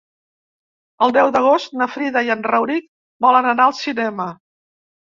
El deu d'agost na Frida i en Rauric volen anar al cinema.